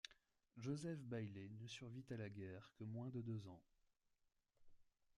Joseph Bailey ne survit à la guerre que moins de deux ans.